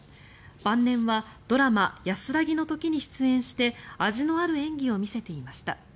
晩年はドラマ「やすらぎの刻」に出演して味のある演技を見せていました。